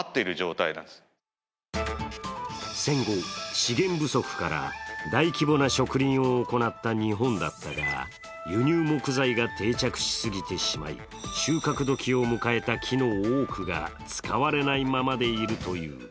戦後、資源不足から大規模な植林を行った日本だったが、輸入木材が定着しすぎてしまい収穫時を迎えた木の多くが使われないままでいるという。